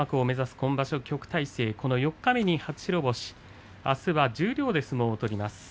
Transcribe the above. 今場所、旭大星四日目に初白星あすは十両で相撲を取ります。